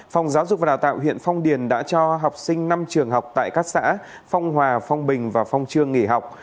phòng giáo dục và đào tạo huyện phong điền đã cho học sinh năm trường học tại các xã phong hòa phong bình và phong trương nghỉ học